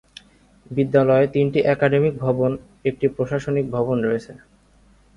বিদ্যালয়ে তিনটি একাডেমিক ভবন, একটি প্রশাসনিক ভবন রয়েছে।